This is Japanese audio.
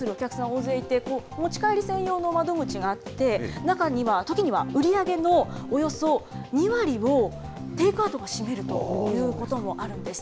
大勢いて、持ち帰り専用の窓口があって、中には、例えば売り上げのおよそ２割を、テイクアウトが占めるということもあるんです。